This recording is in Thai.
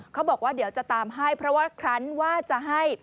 เขาบอกว่าเดี๋ยวจะตามให้เพราะว่าครั้นว่าจะให้